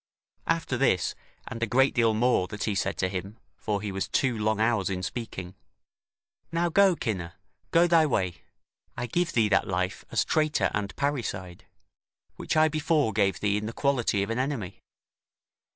After this, and a great deal more that he said to him (for he was two long hours in speaking), "Now go, Cinna, go thy way: I give thee that life as traitor and parricide, which I before gave thee in the quality of an enemy.